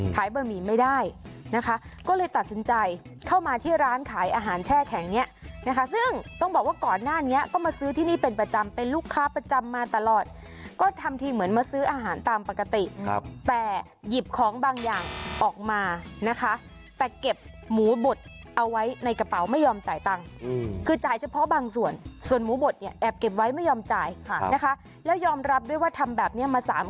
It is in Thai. บะหมี่ไม่ได้นะคะก็เลยตัดสินใจเข้ามาที่ร้านขายอาหารแช่แข็งเนี่ยนะคะซึ่งต้องบอกว่าก่อนหน้านี้ก็มาซื้อที่นี่เป็นประจำเป็นลูกค้าประจำมาตลอดก็ทำทีเหมือนมาซื้ออาหารตามปกติแต่หยิบของบางอย่างออกมานะคะแต่เก็บหมูบดเอาไว้ในกระเป๋าไม่ยอมจ่ายตังค์คือจ่ายเฉพาะบางส่วนส่วนหมูบดเนี่ยแอบเก็บไว้ไม่ยอมจ่ายนะคะแล้วยอมรับด้วยว่าทำแบบนี้มาสาม